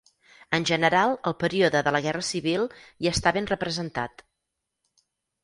En general el període de la Guerra Civil hi està ben representat.